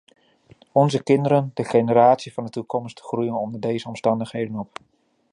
Onze kinderen, de generatie van de toekomst, groeien onder deze omstandigheden op.